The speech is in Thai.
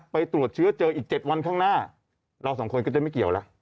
ไปตรวจเชื้อเจออีก๗วันข้างหน้าเราสองคนก็จะไม่เกี่ยวแล้ว